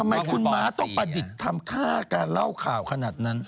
ทำไมคุณม้าต้องประดิษฐ์ทำค่าการเล่าข่าวขนาดนั้น